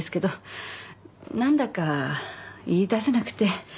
何だか言いだせなくて。